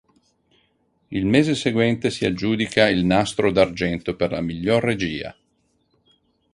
Il mese seguente si aggiudica il Nastro d'argento per la miglior regia.